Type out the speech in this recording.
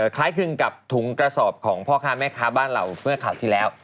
คล้ายคลึงกับถุงกระสอบของพ่อค้าแม่ค้าบ้านเราเมื่อข่าวที่แล้ว